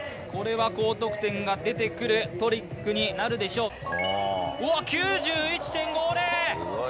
これは高得点が出てくるトリックになるでしょう。